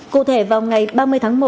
cụ thể vào ngày ba mươi tháng một